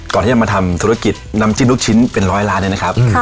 ก่อนที่จะมาทำธุรกิจน้ำจิ้มลูกชิ้นเป็นร้อยล้านเนี่ยนะครับ